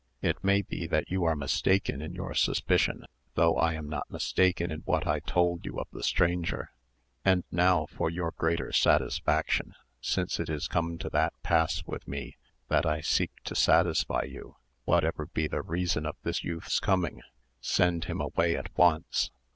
It may be that you are mistaken in your suspicion, though I am not mistaken in what I told you of the stranger. And now for your greater satisfaction—since it is come to that pass with me that I seek to satisfy you—whatever be the reason of this youth's coming, send him away at once.